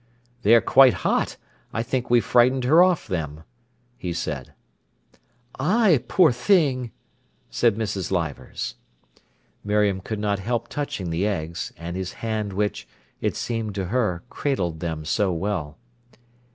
"They are quite hot—I think we frightened her off them," he said. "Ay, poor thing!" said Mrs. Leivers. Miriam could not help touching the eggs, and his hand which, it seemed to her, cradled them so well.